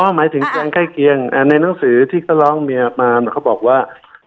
อ๋อหมายถึงแจ้งไข้เกียงในหนังสือที่สร้างเมียมาเขาบอกว่า